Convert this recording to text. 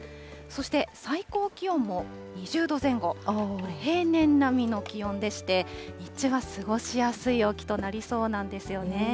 そして最高気温も２０度前後、これ、平年並みの気温でして、日中は過ごしやすい陽気となりそうなんですよね。